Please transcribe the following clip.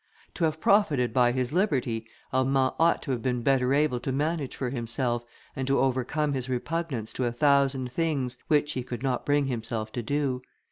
To have profited by his liberty, Armand ought to have been better able to manage for himself, and to overcome his repugnance to a thousand things, which he could not bring himself to do.